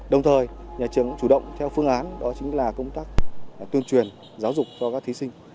đồng thời nhà trường cũng chủ động theo phương án đó chính là công tác tuyên truyền giáo dục cho các thí sinh